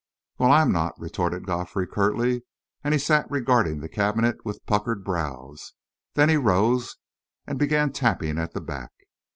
"Well, I am not!" retorted Godfrey, curtly, and he sat regarding the cabinet with puckered brows. Then he rose and began tapping at the back.